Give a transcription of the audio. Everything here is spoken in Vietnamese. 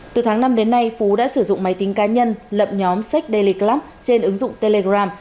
từ tháng năm đến nay phú đã sử dụng máy tính cá nhân lập nhóm sách daily club trên ứng dụng telegram